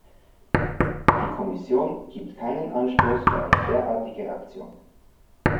Die Kommission gibt keinen Anstoß für eine derartige Aktion.